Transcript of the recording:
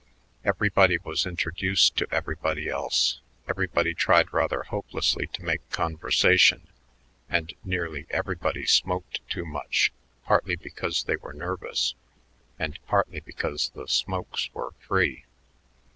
Everybody was introduced to everybody else; everybody tried rather hopelessly to make conversation, and nearly everybody smoked too much, partly because they were nervous and partly because the "smokes" were free.